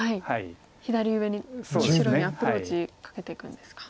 左上の白にアプローチかけていくんですか。